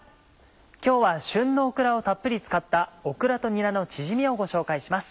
今日は旬のオクラをたっぷり使った「オクラとにらのチヂミ」をご紹介します。